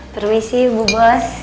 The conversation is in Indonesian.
permisi bu bos